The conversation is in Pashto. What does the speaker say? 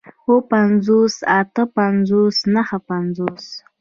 اووه پنځوس اتۀ پنځوس نهه پنځوس